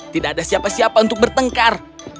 tidak ada siapa siapa untuk bertengkar